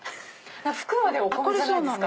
服までお米じゃないですか？